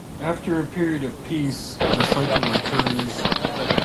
After a period of peace, the cycle recurs.